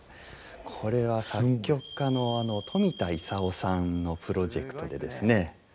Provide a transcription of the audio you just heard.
これは作曲家の冨田勲さんのプロジェクトでですね